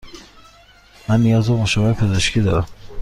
من نیاز به مشاوره پزشکی دارم.